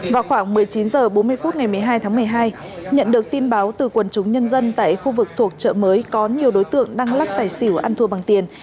vào khoảng một mươi chín h bốn mươi phút ngày một mươi hai tháng một mươi hai nhận được tin báo từ quần chúng nhân dân tại khu vực thuộc chợ mới có nhiều đối tượng đang lắc tài xỉu ăn thua bằng tiền